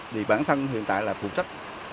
thì bản thân hiện tại là phụ trách